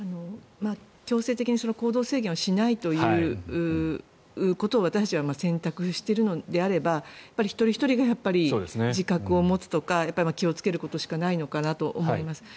強制的に行動制限をしないということを私たちは選択しているのであれば一人ひとりが自覚を持つとか気をつけることしかないのかなと思います。